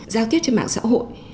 giao tiếp trên mạng xã hội